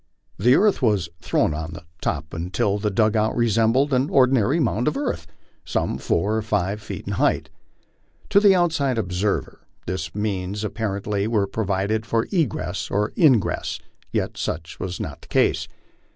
The earth was thrown on top until the "dug out" resembled an ordinary mound of earth, some four or five feet in height. To the outside observer, no means apparently were provided for egress or ingress ; yet such was not the case.